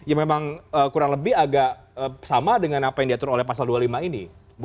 ya memang kurang lebih agak sama dengan apa yang diatur oleh pasal dua puluh lima ini